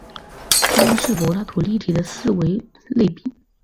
它们是柏拉图立体的四维类比。